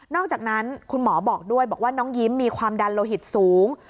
อกจากนั้นคุณหมอบอกด้วยบอกว่าน้องยิ้มมีความดันโลหิตสูง